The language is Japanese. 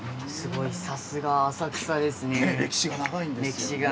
さすが浅草ですね、歴史が。